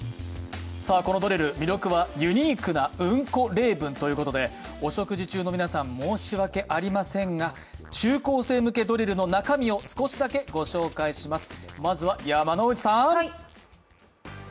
このドリル、魅力はユニークなうんこ例文ということでお食事中の皆さん申し訳ありませんが中高生向けドリルの中身をご紹介します。